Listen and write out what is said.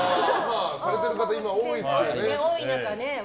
されてる方、今多いですけどね。